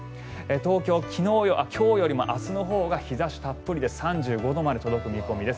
東京今日よりも明日のほうが日差したっぷりで３５度まで届く見込みです。